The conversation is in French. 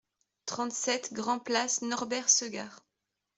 trente-sept grand-Place Norbert Segard